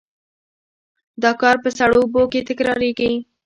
دا کار په سړو اوبو کې تکرار کړئ.